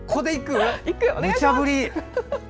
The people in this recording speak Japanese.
むちゃぶり！